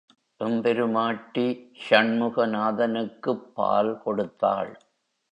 எம்பெருமாட்டி ஷண்முகநாதனுக்குப் பால் கொடுத்தாள்.